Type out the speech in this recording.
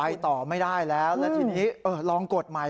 ไปต่อไม่ได้แล้วแล้วทีนี้ลองกดใหม่